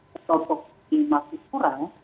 desktop ini masih kurang